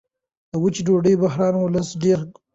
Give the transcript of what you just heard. د وچې ډوډۍ بحران ولس ډېر ځوروي.